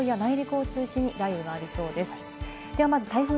きょうも山沿いや内陸を中心に雷雨がありそうです。